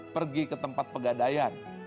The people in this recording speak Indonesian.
pergi ke tempat pegadaian